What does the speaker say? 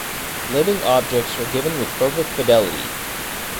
Living objects are given with perfect fidelity.